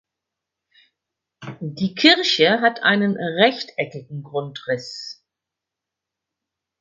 Die Kirche hat einen rechteckigen Grundriss.